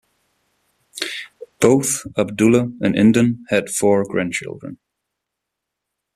Both Abdullah and Endon had four grandchildren.